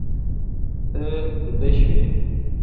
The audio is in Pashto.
ته بوډه شوې